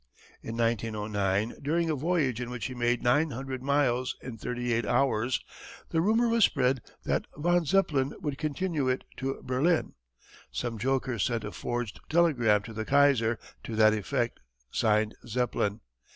In 1909, during a voyage in which he made nine hundred miles in thirty eight hours, the rumour was spread that von Zeppelin would continue it to Berlin. Some joker sent a forged telegram to the Kaiser to that effect signed "Zeppelin."